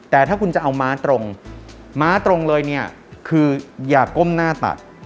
แต่ถ้าคุณจะเอาม้าตรงม้าตรงเลยเนี่ยคืออย่าก้มหน้าตัด